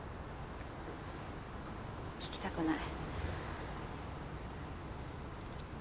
聞きたくない。